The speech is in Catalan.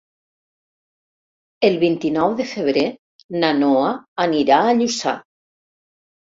El vint-i-nou de febrer na Noa anirà a Lluçà.